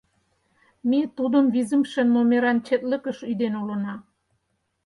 Ме тудым визымше номеран четлыкыш ӱден улына.